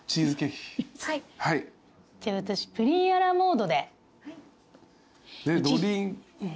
私プリン・ア・ラ・モードで。